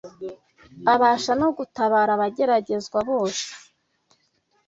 abasha no gutabara abageragezwa bose.